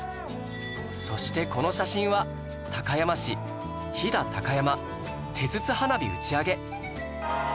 そしてこの写真は高山市飛騨高山手筒花火打ち上げ